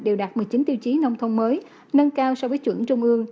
đều đạt một mươi chín tiêu chí nông thôn mới nâng cao so với chuẩn trung ương